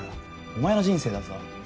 お前の人生だぞ？